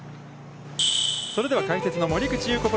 それでは解説の森口祐子